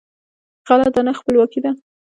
غله دانه خپلواکي ده.